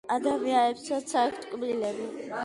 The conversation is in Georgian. ადამიანებსაც აქვთ კბილები